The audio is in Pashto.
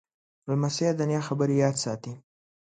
لمسی د نیا خبرې یاد ساتي.